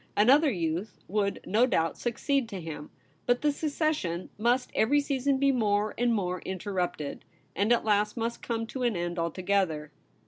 Another youth would, no doubt, succeed to him; but the succession must every season be more and more interrupted, and at last must come to an end altogether.